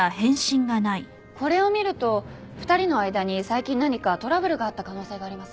これを見ると２人の間に最近何かトラブルがあった可能性があります。